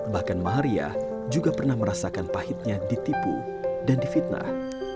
bahkan mahariah juga pernah merasakan pahitnya ditipu dan difitnah